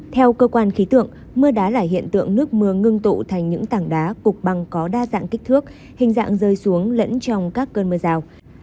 theo cơ quan khí tượng mưa đá là hiện tượng nước mưa ngưng tụ thành những tảng đá cục băng có đa dạng kích thước hình dạng rơi xuống lẫn trong các cơn mưa rào